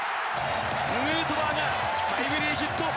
ヌートバーがタイムリーヒット。